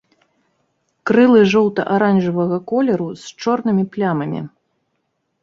Крылы жоўта-аранжавага колеру з чорнымі плямамі.